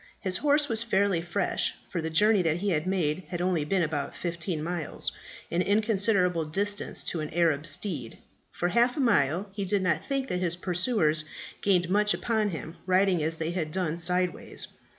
His horse was fairly fresh, for the journey that he had made had only been about fifteen miles an inconsiderable distance to an Arab steed. For half a mile he did not think that his pursuers gained much upon him, riding as they had done sideways.